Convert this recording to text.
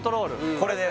これです